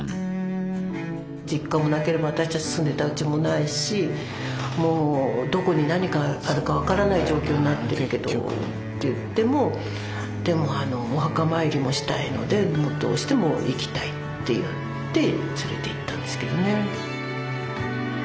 実家もなければ私たち住んでたうちもないしもうどこに何があるか分からない状況になってるけどって言ってもでもお墓参りもしたいのでどうしても行きたいって言って連れていったんですけどね。